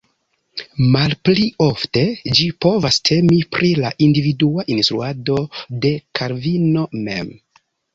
Malpli ofte, ĝi povas temi pri la individua instruado de Kalvino mem.